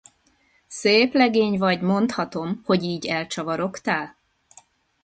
Szép legény vagy, mondhatom, hogy így elcsavarogtál!